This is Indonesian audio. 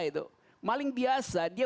itu maling biasa dia